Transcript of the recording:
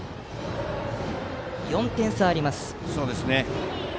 ４点差あります。